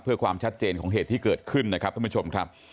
เพื่อความชัดเจนของเหตุที่เกิดขึ้นนะครับท่านผู้ชมครับ